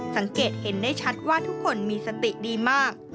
สังเกตเห็นได้ชัดว่าทุกคนมีสติดีมาก